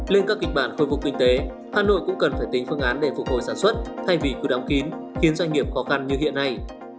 lên các kịch bản khôi phục kinh tế hà nội cũng cần phải tính phương án để phục hồi sản xuất thay vì cứ đóng kín khiến doanh nghiệp khó khăn như hiện nay